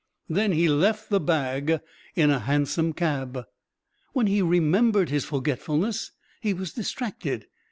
Then he left the bag in a hansom cab. When he remembered his forgetfulness, he was distracted.